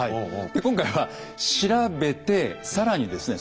今回は調べて更にですね